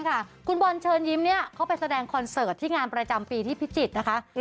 คุณบอลเชิญยิ้มเขาไปแสดงคอนเสิร์ตที่งานประจำปีที่พิจิตรนะคะ